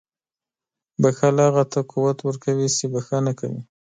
• بښل هغه ته قوت ورکوي چې بښنه کوي.